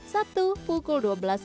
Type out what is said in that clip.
sabtu pukul dua belas empat puluh lima